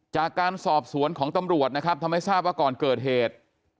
จากการสอบสวนของตำรวจนะครับทำให้ทราบว่าก่อนเกิดเหตุ